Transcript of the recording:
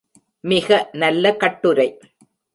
மிக நல்ல கட்டுரை.